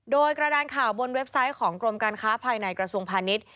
โดยกระดานข่าวบนเว็บไซต์ของกรมการค้าภายในกระทรวงพาณิชย์